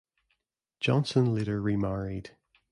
Johnson later remarried.